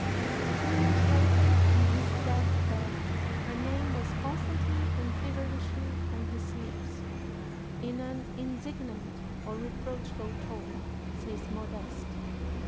Two years later, on his death bed, her name was constantly and feverishly on his lips, "in an indignant or reproachful tone," says Modeste.